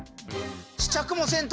試着もせんと。